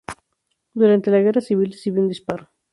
Durante la guerra civil recibió un disparo.